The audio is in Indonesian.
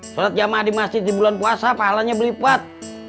surat jamaah di masjid di bulan puasa pahalanya belipat